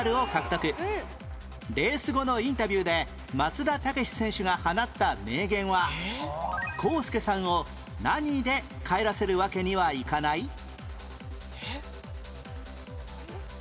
レース後のインタビューで松田丈志選手が放った名言は康介さんを何で帰らせるわけにはいかない？えっ？